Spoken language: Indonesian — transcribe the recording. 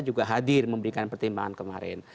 juga hadir memberikan pertimbangan kemarin